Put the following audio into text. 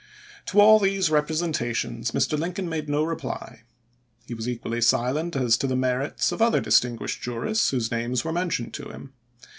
To all these representations Mr. Lincoln made no reply. He was equally silent as to the merits of other distinguished jurists whose names were mentioned to him.